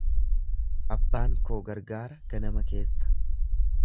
Abbaan koo gargaara ganama keessa.